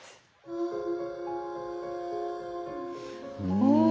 うん！